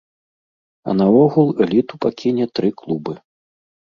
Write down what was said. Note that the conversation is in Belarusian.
А наогул эліту пакіне тры клубы.